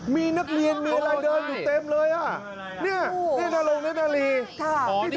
มีนักเรียนมีอะไรเดินอยู่เต็มเลยอ่ะเนี่ยนรงฤทนาลี